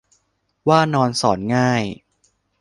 ว่านอนสอนง่าย